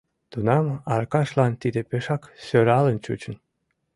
Тунам Аркашлан тиде пешак сӧралын чучын.